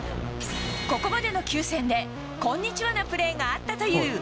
ここまでの９戦でコンニチハなプレーがあったという。